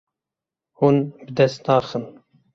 Hûn bi dest naxin.